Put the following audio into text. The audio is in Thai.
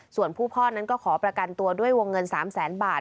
ส่วนผู้พ่อนั้นก็ขอประกันตัวด้วยวงเงิน๓แสนบาท